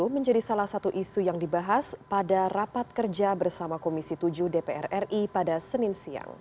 menjadi salah satu isu yang dibahas pada rapat kerja bersama komisi tujuh dpr ri pada senin siang